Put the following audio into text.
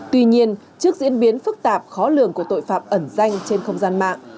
tuy nhiên trước diễn biến phức tạp khó lường của tội phạm ẩn danh trên không gian mạng